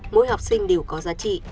mỗi học sinh đều có giá trị